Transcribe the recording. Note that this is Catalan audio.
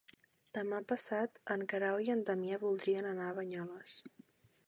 Demà passat en Guerau i en Damià voldrien anar a Banyoles.